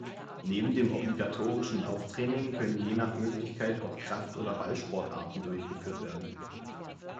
Neben dem obligatorischen Lauftraining können je nach Möglichkeit auch Kraft- oder Ballsportarten durchgeführt werden.